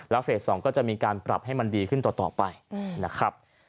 เฟส๒ก็จะมีการปรับให้มันดีขึ้นต่อไปนะครับ